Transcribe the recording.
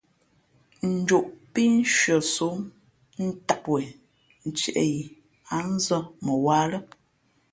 Njoʼ pí nshʉαsǒm ntām wen ntieʼ yi wěn nzᾱ mαwǎ lά.